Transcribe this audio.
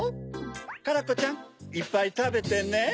カラコちゃんいっぱいたべてね。